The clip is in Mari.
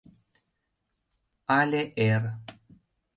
Але эр.